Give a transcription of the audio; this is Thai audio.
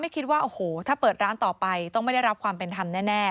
คิดว่าโอ้โหถ้าเปิดร้านต่อไปต้องไม่ได้รับความเป็นธรรมแน่